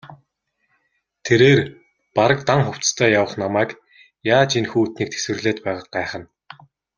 Тэрээр бараг дан хувцастай явах намайг яаж энэ хүйтнийг тэсвэрлээд байгааг гайхна.